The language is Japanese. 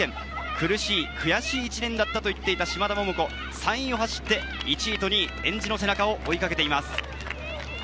苦しい、悔しい１年だったと言っていた嶋田桃子、３位を走って１位と２位、えんじの背中を追いかけています。